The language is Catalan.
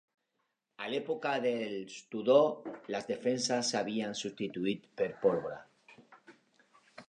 A l"època dels Tudor, las defenses s"havien substituït per pólvora.